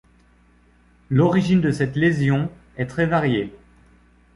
L'origine de cette lésion est très variée.